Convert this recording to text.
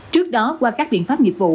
trước đó qua các biện pháp nghiệp vụ